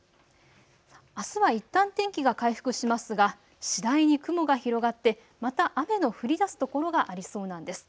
あすはいったん天気が回復しますが次第に雲が広がってまた雨の降りだす所がありそうなんです。